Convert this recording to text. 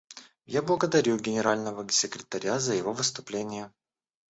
Я благодарю Генерального секретаря за его выступление.